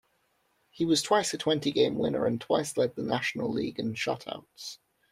He was twice a twenty-game winner and twice led the National League in shutouts.